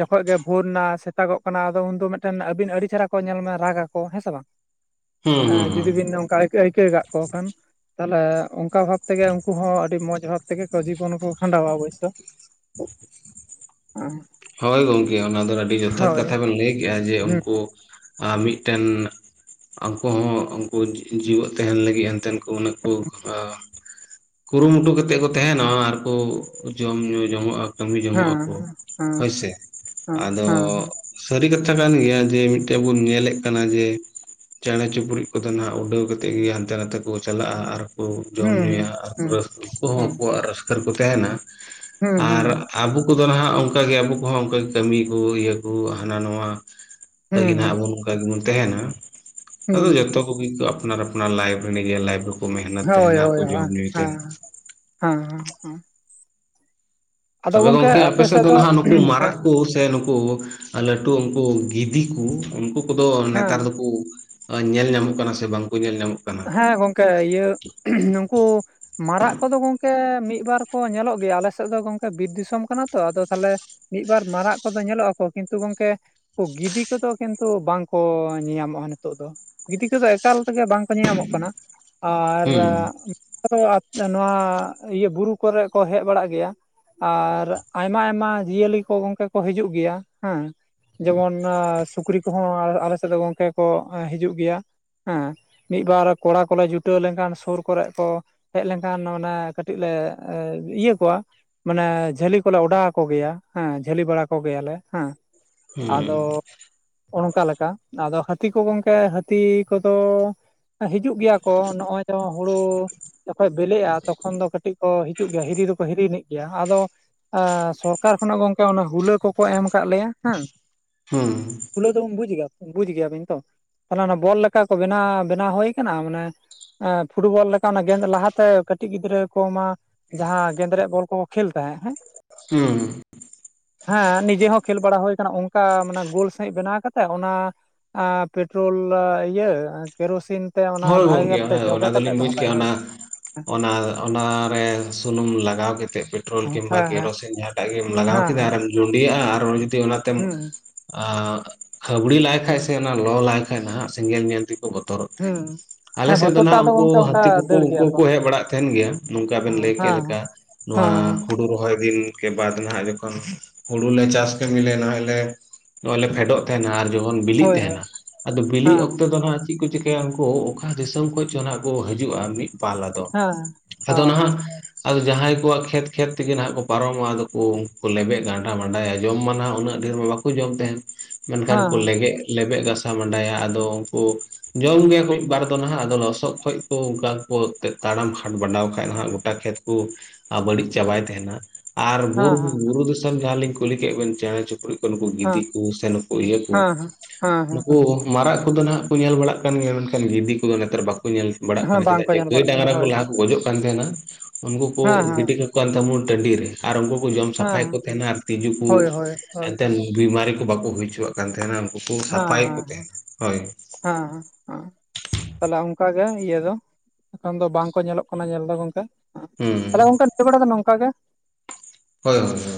ᱡᱚᱠᱷᱚᱱ ᱜᱮ ᱵᱷᱳᱨ ᱱᱟ ᱥᱮᱛᱟᱜᱚᱜ ᱠᱟᱱᱟ, ᱟᱫᱚ ᱩᱱᱫᱚ ᱢᱤᱫᱴᱮᱱ ᱟᱹᱵᱤᱱ ᱟᱹᱰᱤ ᱪᱮᱦᱨᱟ ᱠᱚ ᱧᱮᱞ ᱢᱮ ᱨᱟᱜᱽ ᱟᱠᱚ ᱦᱮᱸ ᱥᱮ ᱵᱟᱝ᱾ [unintelligible] ᱮ ᱦᱩᱸ ᱦᱩᱸ ᱡᱩᱫᱤ ᱵᱤᱱ ᱱᱚᱝᱠᱟ ᱟᱹᱭᱠᱟᱹᱣ ᱟᱹᱭᱠᱟᱹ ᱠᱚ ᱠᱷᱟᱱ ᱛᱟᱦᱞᱮ ᱚᱱᱠᱟ ᱵᱷᱟᱵ ᱛᱮᱜᱮ ᱩᱱᱠᱩ ᱦᱚᱸ ᱟᱹᱰᱤ ᱢᱚᱡᱽ ᱵᱷᱟᱵ ᱛᱮᱜᱮ ᱠᱚ ᱡᱤᱵᱚᱱ ᱠᱚ ᱠᱷᱟᱸᱰᱟᱣᱟ ᱚᱵᱚᱥᱥᱳ, ᱟ ᱦᱳᱭ ᱜᱚᱢᱠᱮ ᱚᱱᱟ ᱫᱚ ᱟᱹᱰᱤ ᱡᱚᱛᱷᱟᱛ ᱠᱟᱛᱷᱟ ᱵᱮᱱ ᱞᱟᱹᱭ ᱠᱮᱫᱮᱜᱟ, ᱡᱮ ᱦᱮᱸ ᱩᱱᱠᱩ ᱟᱨ ᱢᱤᱫᱴᱮᱱ ᱟᱠᱚᱦ ᱩᱱᱠᱩ ᱡᱤᱣᱮᱫ ᱛᱟᱦᱮᱱ ᱞᱟᱹᱜᱤᱫ ᱮᱱᱛᱮᱱ ᱩᱱᱟᱹᱜ ᱠᱩ ᱟ, ᱠᱩᱨᱩᱢᱩᱴᱩ ᱠᱟᱛᱮ ᱠᱚ ᱛᱟᱦᱮᱱᱟ ᱟᱨᱠᱩ ᱡᱚᱢ ᱧᱩ ᱡᱚᱝᱚᱜ ᱟᱠ ᱠᱟᱹᱢᱤ ᱡᱚᱝᱚᱜ ᱟᱠᱚ, ᱦᱮᱸ ᱦᱮᱸ ᱦᱳᱭᱥᱮ ᱦᱮᱸ ᱟᱫᱚ ᱦᱮᱸ ᱥᱟᱹᱨᱤ ᱠᱟᱛᱷᱟ ᱠᱟᱱ ᱜᱮᱭᱟ ᱡᱮ ᱢᱤᱫᱴᱮᱡ ᱵᱚᱱ ᱧᱮᱞᱮᱫ ᱠᱟᱱᱟ ᱡᱮ ᱪᱮᱬᱮ ᱪᱤᱯᱲᱩᱫ ᱠᱚᱫᱚ ᱱᱟᱜ ᱩᱰᱟᱹᱣ ᱠᱟ ᱠᱟᱛᱮᱫ ᱜᱤ ᱦᱟᱱᱛᱮ ᱱᱟᱛᱮ ᱠᱚ ᱪᱟᱞᱟᱜᱼᱟ ᱟᱨ ᱠᱩ ᱡᱚᱢ ᱦᱮᱸ ᱧᱩᱭᱟ ᱟᱨ ᱦᱮᱸ ᱨᱟᱹᱥᱠ ᱩᱱᱠᱩ ᱦᱚᱸ ᱦᱮᱸ ᱟᱠᱚᱣᱟᱜ ᱨᱟᱹᱥᱠᱟᱹ ᱨᱮᱠᱚ ᱛᱟᱦᱮᱱᱟ, ᱦᱮᱸ ᱦᱮᱸ ᱟᱨ ᱟᱵᱚ ᱠᱚᱫᱚ ᱱᱟᱦᱟᱜ ᱚᱱᱠᱟᱜᱮ ᱟᱵᱚ ᱠᱚᱦᱚᱸ ᱚᱱ ᱠᱟᱹᱢᱤ ᱠᱩ ᱤᱭᱟᱹ ᱠᱩ ᱦᱟᱱᱟ ᱱᱟᱣᱭᱟ, ᱞᱟᱹᱜᱤᱫ ᱱᱟᱦᱟᱜ ᱦᱮᱸ ᱟᱵᱚ ᱱᱚᱝᱠᱟ ᱜᱮᱵᱚᱱ ᱛᱟᱦᱮᱱᱟ, ᱟᱫᱚ ᱦᱮᱸ ᱡᱚᱛᱚ [unintelligible] ᱟᱯᱱᱟᱨ ᱟᱯᱱᱟᱨ ᱞᱟᱭᱵᱨᱮᱨᱤ ᱢᱮᱦᱱᱮᱛ ᱛᱟᱦᱮᱱᱟ ᱟᱨ ᱠᱚ ᱡᱚᱢ ᱧᱩᱭ ᱛᱟᱦᱮᱱᱟ᱾ ᱦᱮᱸᱮᱸ ᱦᱮᱸ, ᱟᱫᱚ ᱛᱚᱵᱮ ᱜᱚᱝᱠᱮ ᱟᱯᱮ ᱟᱯᱮᱥᱮᱫ ᱥᱮᱫ ᱫᱚ ᱱᱟᱦᱟᱜ ᱱᱩᱠᱩ ᱦᱮᱸ ᱢᱟᱨᱟᱜ ᱦᱮᱸ ᱠᱩ ᱥᱮ ᱱᱩᱠᱩ ᱞᱟᱹᱴᱩ ᱩᱱᱠᱩ ᱜᱤᱫᱤ ᱠᱩ ᱩᱱᱠᱩ ᱠᱚᱫᱚ ᱱᱮᱛᱟᱨ ᱫᱚᱠᱩ ᱧᱮᱞ ᱧᱟᱢᱚᱜ ᱠᱟᱱᱟ ᱥᱮ, ᱵᱟᱝᱠᱚ ᱧᱮᱞ ᱧᱟᱢᱚᱜ ᱠᱟᱱᱟ᱾ ᱦᱮᱸ ᱜᱚᱝᱠᱮ ᱤᱭᱟᱹ ᱱᱩᱝᱠᱩ ᱢᱟᱨᱟᱜ ᱠᱚᱫᱚ ᱜᱚᱝᱠᱮ ᱢᱤᱫ ᱵᱟᱨ ᱠᱚ ᱧᱮᱞᱚᱜ ᱜᱮᱭᱟ, ᱟᱞᱮ ᱥᱮᱫ ᱫᱚ ᱜᱚᱝᱠᱮ ᱵᱤᱨ ᱫᱤᱥᱚᱢ ᱠᱟᱱᱟ ᱛᱚ ᱟᱫᱚ ᱛᱟᱦᱞᱮ ᱢᱤᱫ ᱵᱟᱨ ᱢᱟᱨᱟᱜ ᱠᱚᱫᱚ ᱧᱮᱞᱚᱜᱼᱟᱠ ᱠᱤᱱᱛᱩ ᱜᱚᱝᱠᱮ ᱜᱤᱫᱤ ᱠᱚᱫᱚ ᱠᱤᱱᱛᱩ ᱵᱟᱝᱠᱚ ᱧᱮᱧᱟᱢᱚᱜᱼᱟ ᱱᱤᱛᱳᱜ ᱫᱚ, ᱜᱤᱫᱤ ᱠᱚᱫᱚ ᱮᱠᱟᱞ ᱛᱮᱜᱮ ᱵᱟᱝ ᱠᱚ ᱧᱟᱢᱚᱜ ᱠᱟᱱᱟ ᱟᱨ ᱦᱩᱸ ᱱᱚᱣᱟ ᱤᱭᱟᱹ ᱵᱩᱨᱩ ᱠᱚᱨᱮ ᱠᱚ ᱦᱮᱡ ᱵᱟᱲᱟᱜ ᱜᱮᱭᱟ, ᱟᱨ ᱟᱭᱢᱟ ᱟᱭᱢᱟ ᱡᱤᱭᱟᱹᱞᱤ ᱠᱚ ᱜᱚᱢᱠᱮ ᱠᱚ ᱦᱤᱡᱩᱜ ᱜᱮᱭᱟ ᱦᱮᱸ, ᱡᱮᱢᱚᱱ ᱟ ᱥᱩᱠᱨᱤ ᱠᱚᱦᱚᱸ ᱟᱞᱮ ᱥᱮᱫ ᱫᱚ ᱜᱚᱢᱠᱮ ᱠᱚ ᱦᱤᱡᱩᱜ ᱜᱮᱭᱟ ᱦᱮᱸ, ᱢᱤᱫᱵᱟᱨ ᱠᱚᱲᱟ ᱠᱚᱞᱮ ᱡᱩᱴᱟᱹᱣ ᱞᱮᱱᱠᱷᱟᱱ ᱥᱩᱨ ᱠᱚᱨᱮ ᱠᱚ ᱦᱮᱡ ᱞᱮᱱᱠᱷᱟᱱ ᱮ ᱠᱟᱹᱴᱤᱡ ᱞᱮ ᱤᱭᱟᱹ ᱠᱚᱣᱟ, ᱢᱟᱱᱮ ᱡᱷᱟᱹᱞᱤ ᱠᱚᱞᱮ ᱚᱰᱟᱣ ᱟᱠᱚᱜᱮᱭᱟ ᱦᱮᱸ ᱡᱷᱟᱹᱞᱤ ᱵᱟᱲᱟ ᱠᱚᱜᱮᱭᱟᱞᱮ ᱦᱮᱸ, ᱟᱫᱚ ᱦᱩᱸ ᱚᱱᱠᱟ ᱞᱮᱠᱟ, ᱟᱫᱚ ᱦᱟᱹᱛᱤ ᱠᱚ ᱜᱚᱝᱠᱮ ᱦᱟᱹᱛᱤ ᱠᱚᱫᱚ ᱦᱤᱡᱩᱜ ᱜᱮᱭᱟ ᱠᱚ ᱱᱚᱜ-ᱚᱭ ᱡᱮ ᱦᱩᱲᱩ ᱡᱚᱠᱷᱚᱡ ᱵᱞᱤᱜ-ᱟ ᱛᱚᱠᱷᱚᱱ ᱫᱚ ᱠᱟᱹᱴᱤᱡ ᱠᱚ ᱦᱤᱡᱩᱜ ᱜᱮᱭᱟ, ᱦᱤᱨᱤ ᱫᱚᱠᱚ ᱦᱤᱨᱤᱭᱟᱱᱤᱡ ᱜᱮᱭᱟ᱾ ᱟᱫᱚ ᱟᱸᱻ ᱥᱚᱨᱠᱟᱨ ᱠᱷᱚᱱᱟᱜ ᱜᱚᱝᱠᱮ ᱚᱱᱟ ᱦᱩᱞᱟᱹ ᱠᱚᱠᱚ ᱮᱢ ᱠᱟᱜ ᱞᱮᱭᱟ ᱦᱩᱸ᱾ ᱦᱩᱸ᱾ ᱦᱩᱞᱟᱹ ᱫᱚᱵᱮᱱ ᱵᱩᱡᱽ ᱜᱮᱭᱟ, ᱵᱩᱡᱽ ᱜᱮᱭᱟᱵᱮᱱ ᱛᱚ? ᱛᱟᱦᱞᱮ ᱚᱱᱟ ᱵᱚᱞ ᱞᱮᱠᱟ ᱠᱚ ᱵᱮᱱᱟᱣ ᱵᱮᱱᱟᱣ ᱦᱳᱭ ᱠᱟᱱᱟ ᱢᱟᱱᱮ ᱟᱸᱻ ᱯᱷᱩᱴᱵᱚᱞ ᱞᱮᱠᱟᱱᱟᱜ ᱜᱮᱸᱫ ᱞᱟᱦᱟᱛᱮ ᱠᱟᱹᱴᱤᱡ ᱜᱤᱫᱽᱨᱟᱹ ᱠᱚᱢᱟ ᱡᱟᱦᱟᱸ ᱜᱮᱸᱫᱽᱨᱮᱡ ᱵᱚᱞ ᱠᱚᱠᱚ ᱠᱷᱮᱞ ᱛᱟᱦᱮᱸᱜ ᱦᱮᱸ᱾ ᱦᱩᱸ᱾ ᱦᱮᱸ ᱱᱤᱡᱮ ᱦᱚᱸ ᱠᱷᱮᱹᱞ ᱵᱟᱲᱟ ᱦᱩᱭ ᱠᱟᱱᱟ, ᱚᱝᱠᱟ ᱢᱟᱱᱮ ᱜᱳᱞ ᱥᱟᱺᱦᱤᱡ ᱵᱮᱱᱟᱣ ᱠᱟᱛᱮᱜ ᱚᱱᱟ ᱟᱻ ᱯᱮᱴᱨᱳᱞ ᱤᱭᱟᱹ ᱠᱮᱨᱳᱥᱤᱱ ᱛᱮ ᱚᱱᱟ ᱦᱳᱭ ᱵᱷᱟᱜᱮ ᱜᱚᱝᱠᱮ ᱠᱟᱛᱮ ᱚᱱᱮ ᱡᱚᱵᱮ ᱚᱱᱟ ᱠᱟᱛᱮᱜ ᱫᱚᱞᱤᱧ ᱫᱚᱦᱚ ᱵᱩᱡᱽ ᱠᱟᱭ ᱠᱮᱜ-ᱟ ᱦᱳᱭ ᱚᱱᱟ ᱚᱱᱟ ᱚᱱᱟᱨᱮ ᱥᱩᱱᱩᱢ ᱞᱟᱜᱟᱣ ᱠᱟᱛᱮᱜ ᱯᱮᱴᱨᱳᱞ ᱦᱮᱸ ᱠᱤᱢᱵᱟ ᱦᱮᱸ ᱦᱮᱸ ᱠᱮᱨᱳᱥᱤᱱ ᱡᱟᱜ ᱜᱮᱢ ᱞᱟᱜᱟᱣ ᱠᱮᱫᱟ ᱦᱮᱸ ᱟᱨᱮᱢ ᱡᱩᱸᱰᱤᱭᱟᱜ-ᱟ ᱟᱨ ᱡᱩᱫᱤ ᱚᱱᱟᱛᱮᱢ ᱦᱩᱸ ᱟᱻ ᱯᱷᱟᱹᱵᱽᱲᱤ ᱞᱟᱭ ᱠᱷᱟᱡ ᱥᱮ ᱚᱱᱟ ᱞᱚ ᱞᱟᱭ ᱠᱷᱟᱡ ᱱᱟᱦᱟᱜ ᱥᱮᱸᱜᱮᱞ ᱧᱮᱞ ᱛᱮᱠᱚ ᱵᱚᱛᱚᱨᱚᱜ ᱦᱩᱸ᱾ ᱟᱞᱮ ᱦᱮᱸ ᱥᱮᱫ ᱫᱚ ᱵᱚᱛᱚᱨ ᱛᱮ ᱱᱟᱜ ᱟᱫᱚ ᱩᱱᱠᱩ ᱜᱚᱝᱠᱮ ᱚᱱᱠᱟ ᱦᱟᱹᱛᱤ ᱠᱚᱠᱚ ᱫᱟᱹᱲ ᱩᱝᱠᱩ ᱜᱮᱭᱟ ᱠᱚ ᱦᱚᱸᱠᱚ ᱦᱮᱡ ᱵᱟᱲᱟᱜ ᱛᱟᱦᱮᱱ ᱜᱮᱭᱟ ᱱᱚᱝᱠᱟ ᱵᱮᱱ ᱦᱮᱸ ᱞᱟᱹᱭ ᱠᱮᱫ ᱦᱮᱸ ᱞᱮᱠᱟ, ᱱᱚᱣᱟ ᱦᱮᱸ ᱦᱩᱲᱩ ᱨᱚᱦᱚᱭ ᱫᱤᱱ ᱠᱮ ᱵᱟᱫ ᱱᱟᱦᱟᱜ ᱡᱚᱠᱷᱚᱱ ᱦᱩᱲᱩ ᱞᱮ ᱪᱟᱥ ᱠᱟᱹᱢᱤ ᱞᱮ ᱱᱟᱦᱟᱭ ᱞᱮ ᱱᱚᱜ-ᱚᱭ ᱞᱮ ᱯᱷᱮᱰᱚᱜ ᱛᱮᱦᱮᱱᱟ ᱟᱨ ᱡᱚᱠᱷᱚᱱ ᱵᱤᱞᱤᱜ ᱦᱳᱭ ᱦᱳᱭ ᱛᱮᱦᱮᱱᱟ, ᱟᱫᱚ ᱵᱤᱞᱤ ᱦᱮᱸ ᱚᱠᱛᱮ ᱫᱚ ᱱᱟᱦᱟᱜ ᱪᱮᱫ ᱠᱚ ᱪᱤᱠᱟᱹᱭᱟ ᱩᱱᱠᱩ ᱫᱤᱥᱚᱢ ᱠᱷᱚᱡ ᱪᱚ ᱱᱟᱦᱟᱜ ᱠᱚ ᱦᱟᱡᱩᱜ-ᱟ ᱢᱤᱫ ᱯᱟᱞᱟ ᱟᱫᱚ, ᱦᱮᱸ ᱦᱮᱸ ᱟᱫᱚ ᱦᱮᱸ ᱱᱟᱦᱟᱜ ᱟᱫᱚ ᱡᱟᱦᱟᱸᱭ ᱠᱚᱣᱟᱜ ᱠᱷᱮᱛ ᱠᱷᱮᱛ ᱛᱮᱜᱮ ᱱᱟᱦᱟᱜ ᱠᱚ ᱯᱟᱨᱚᱢᱟ-ᱟ ᱟᱫᱚ ᱩᱝᱠᱩ ᱞᱮᱵᱮᱫ ᱜᱟᱸᱰᱟ ᱵᱟᱰᱟᱭᱟ᱾ ᱡᱚᱢ ᱢᱟ ᱱᱟᱜ ᱩᱱᱟᱹᱜ ᱰᱷᱮᱨ ᱢᱟ ᱵᱟ ᱠᱩ ᱡᱚᱢ ᱛᱟᱸᱦᱮᱱ᱾ ᱢᱮᱱᱠᱷᱟᱱ ᱠᱚ ᱦᱮᱸ ᱞᱮᱜᱮᱫ ᱞᱮᱵᱮᱫ ᱜᱟᱥᱟᱣ ᱢᱟᱰᱟᱭᱟ᱾ ᱟᱫᱚ ᱩᱱᱠᱩ ᱡᱚᱢ ᱜᱮᱭᱟ ᱢᱤᱫ ᱵᱟᱨ ᱫᱚ ᱱᱟᱦᱟᱜ᱾ ᱟᱫᱚ ᱞᱚᱥᱚᱫ ᱠᱷᱚᱡ ᱠᱚ ᱚᱱᱠᱟ ᱠᱚ ᱛᱟᱲᱟᱢ ᱦᱟᱴ ᱵᱟᱰᱟᱣ ᱠᱷᱟᱡ ᱦᱟᱸᱜ ᱜᱚᱴᱟ ᱠᱷᱮᱛ ᱠᱚ ᱟ, ᱵᱟᱹᱲᱤᱡ ᱪᱟᱵᱟᱭ ᱛᱟᱸᱦᱮᱱᱟ, ᱟᱨ ᱜᱩᱨ ᱦᱮᱸ ᱦᱮᱸ ᱦᱮᱸ ᱵᱩᱨᱩ ᱫᱤᱥᱚᱢ ᱡᱟᱦᱟᱸ ᱞᱤᱧ ᱠᱩᱞᱤ ᱠᱮᱫ ᱵᱮᱱ ᱪᱮᱬᱮ ᱪᱩᱯᱲᱩᱡ ᱠᱩ ᱱᱩᱠᱩ ᱜᱤᱫᱤ ᱠᱚ ᱥᱮ ᱱᱩᱠᱩ ᱤᱭᱟᱹ ᱠᱚ ᱦᱮᱸ ᱦᱮᱸ ᱦᱮᱸ ᱱᱩᱠᱩ ᱢᱟᱨᱟᱜ ᱠᱚᱫᱚ ᱱᱟᱜ ᱠᱚ ᱧᱮᱞ ᱵᱟᱲᱟᱜ ᱠᱟᱱ ᱜᱮᱭᱟ, ᱢᱮᱱᱠᱷᱟᱱ ᱜᱤᱫᱤ ᱠᱚᱫᱚ ᱱᱮᱛᱟᱨ ᱵᱟᱠᱚ ᱧᱮᱞ ᱵᱟᱲᱟᱜ ᱠᱟᱱᱟ ᱦᱮᱸ ᱪᱮᱫᱟᱜ ᱵᱟᱝᱠᱚ ᱡᱮ ᱧᱮᱞ ᱜᱟᱹᱭ ᱵᱟᱲᱟᱜ ᱠᱟᱱᱟ ᱰᱟᱝᱨᱟ ᱠᱚ ᱦᱳᱭ ᱞᱟᱦᱟ ᱜᱚᱡᱚᱜ ᱠᱟᱱ ᱛᱟᱸᱦᱮᱱᱟ ᱩᱱᱠᱩ ᱠᱚ ᱦᱮᱸ ᱦᱮᱸ ᱜᱤᱰᱤ ᱠᱟᱠᱚ ᱠᱟᱱ ᱫᱚᱢᱚᱱ ᱴᱟᱺᱰᱤ ᱨᱮ᱾ ᱟᱨ ᱩᱱᱠᱩ ᱠᱚ ᱡᱚᱢ ᱦᱮᱸ ᱥᱟᱯᱷᱟᱭᱮᱫ ᱠᱚ ᱛᱟᱦᱮᱱᱟ ᱟᱨ ᱛᱤᱡᱩ ᱠᱚ ᱦᱳᱭ ᱦᱳᱭ ᱦᱳᱭ ᱮᱱᱛᱮᱫ ᱵᱤᱢᱟᱨᱤ ᱠᱚ ᱵᱟᱠᱚ ᱦᱩᱭ ᱦᱚᱪᱚ ᱠᱟᱱ ᱛᱟᱸᱦᱮᱱᱟ, ᱩᱱᱠᱩ ᱠᱚ ᱥᱟᱯᱷᱟᱭᱮᱫ ᱠᱚ ᱛᱮᱦᱮᱱᱟ ᱦᱳᱭ᱾ ᱦᱟᱸ ᱦᱟᱸ᱾ ᱛᱟᱦᱞᱮ ᱚᱝᱠᱟ ᱜᱮ ᱤᱭᱟᱹ ᱫᱚ, ᱮᱠᱷᱚᱱ ᱫᱚ ᱵᱟᱝ ᱠᱚ ᱧᱮᱞᱚᱜ ᱠᱟᱱᱟ ᱧᱮᱞ ᱫᱚ ᱜᱚᱝᱠᱮ᱾ ᱦᱩᱸ ᱛᱟᱦᱞᱮ ᱜᱚᱝᱠᱮ ᱱᱤᱭᱟᱹ ᱵᱮᱲᱟ ᱫᱚ ᱱᱚᱝᱠᱟ ᱜᱮ᱾ ᱦᱳᱭ ᱦᱳᱭ ᱦᱳᱭ᱾